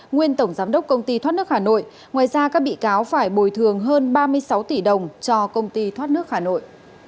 nguyên tổng giám đốc công ty thoát nước hà nội ngoài ra các bị cáo phải bồi thường hơn ba mươi sáu tỷ đồng cho công ty thoát nước hà nội